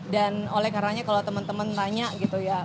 dan oleh karanya kalau temen temen tanya gitu ya